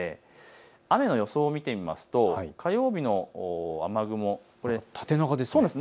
雨の予想を見てみますと火曜日の雨雲、縦長ですね。